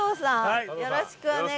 よろしくお願いします。